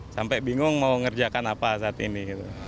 sampai bingung mau ngerjakan apa saat ini